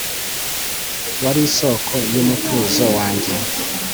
Wari isoko yumutuzo wanjye